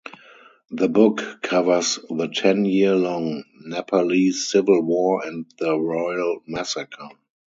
The book covers the ten year long Nepalese civil war and the Royal massacre.